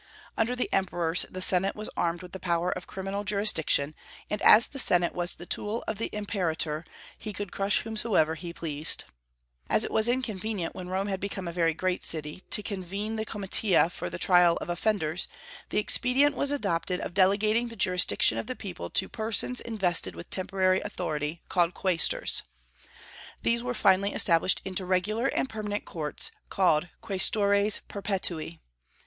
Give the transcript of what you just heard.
Under the emperors, the senate was armed with the power of criminal jurisdiction; and as the senate was the tool of the imperator, he could crush whomsoever he pleased. As it was inconvenient, when Rome had become a very great city, to convene the comitia for the trial of offenders, the expedient was adopted of delegating the jurisdiction of the people to persons invested with temporary authority, called quaestors. These were finally established into regular and permanent courts, called quaestores perpetui.